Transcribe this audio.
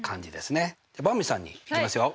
ばんびさんにいきますよ。